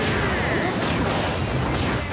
おっと！